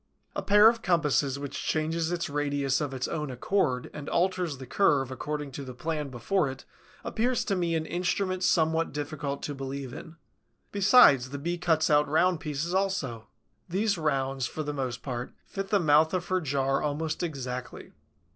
A pair of compasses which changes its radius of its own accord and alters the curve according to the plan before it appears to me an instrument somewhat difficult to believe in. Besides, the Bee cuts out round pieces also. These rounds, for the most part, fit the mouth of her jar almost exactly.